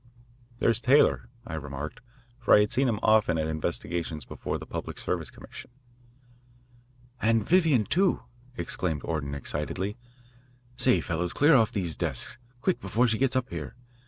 "There's Taylor," I remarked, for I had seen him often at investigations before the Public Service Commission. "And Vivian, too," exclaimed Orton excitedly. "Say, fellows, clear off these desks. Quick, before she gets up here.